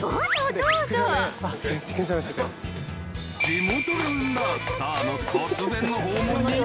［地元が生んだスターの突然の訪問に］